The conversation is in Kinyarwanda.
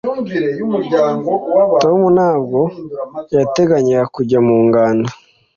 Tom ntabwo yateganyaga kujya mu ngando